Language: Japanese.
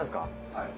はい。